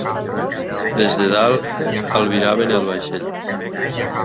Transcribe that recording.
Des de dalt albiraven el vaixell.